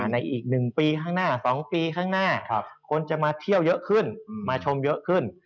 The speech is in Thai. ในอีก๑ปีข้างหน้า๒ปีข้างหน้าคนจะมาเที่ยวเยอะขึ้นมาชมเยอะขึ้น